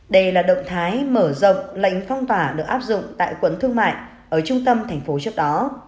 đây là động thái mở rộng lệnh phong tỏa được áp dụng tại quấn thương mại ở trung tâm thành phố trước đó